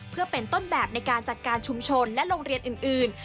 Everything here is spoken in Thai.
เพื่อเป็นต้นแบบในการจัดการชุมชนและโรงเรียนอื่น